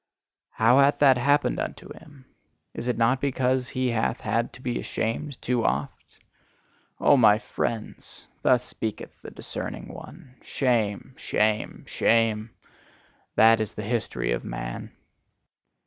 How hath that happened unto him? Is it not because he hath had to be ashamed too oft? O my friends! Thus speaketh the discerning one: shame, shame, shame that is the history of man!